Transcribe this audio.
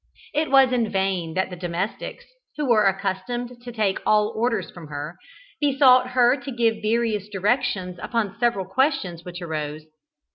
It was in vain that the domestics, who were accustomed to take all orders from her, besought her to give various directions upon different questions which arose.